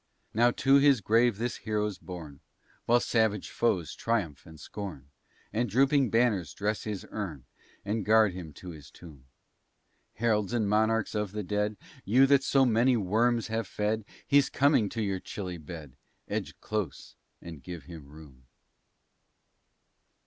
Now to his grave this hero's borne, While savage foes triumph and scorn, And drooping banners dress his urn, And guard him to his tomb. Heralds and monarchs of the dead, You that so many worms have fed, He's coming to your chilly bed, Edge close and give him room.